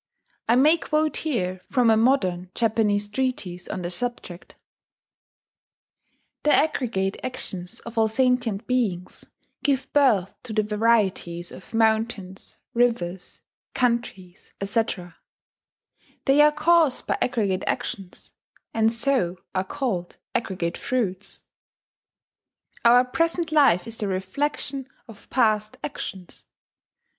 I may quote here from a modern Japanese treatise on the subject: "The aggregate actions of all sentient beings give birth to the varieties of mountains, rivers, countries, etc. They are caused by aggregate actions, and so are called aggregate fruits. Our present life is the reflection of past actions.